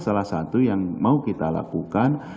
salah satu yang mau kita lakukan